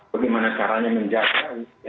bagaimana caranya menjaga